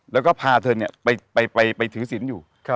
แล้วก็พาเธอเนี่ยไปถือสินอยู่